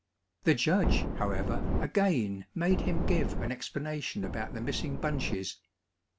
The judge, however, again made him give an explanation about the missing bunches.